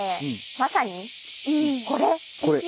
まさにこれ！